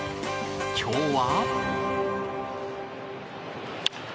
今日は。